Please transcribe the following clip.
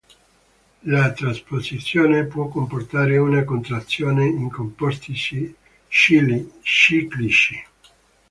La trasposizione può comportare una contrazione in composti ciclici.